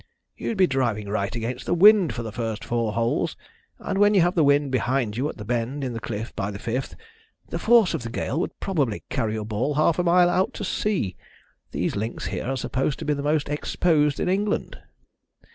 "You'd be driving right against the wind for the first four holes, and when you have the wind behind you at the bend in the cliff by the fifth, the force of the gale would probably carry your ball half a mile out to sea. These links here are supposed to be the most exposed in England."